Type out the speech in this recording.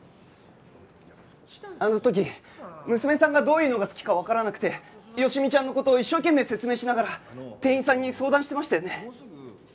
あの時娘さんがどういうのが好きかわからなくて好美ちゃんの事を一生懸命説明しながら店員さんに相談してましたよね？